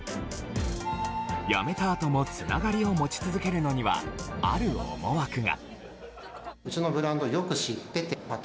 辞めたあともつながりを持ち続けるのには、ある思惑が。